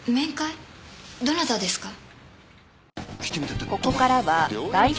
どなたですか？